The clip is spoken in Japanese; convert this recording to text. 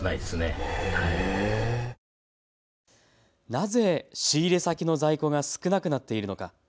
なぜ仕入れ先の在庫が少なくなっているのか。